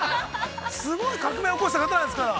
すごい革命を起こした方なんですから。